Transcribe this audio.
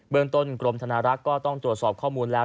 เมืองต้นกรมธนารักษ์ก็ต้องตรวจสอบข้อมูลแล้ว